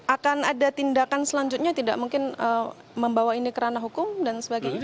akan ada tindakan selanjutnya tidak mungkin membawa ini kerana hukum dan sebagainya